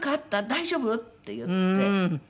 大丈夫？」って言って。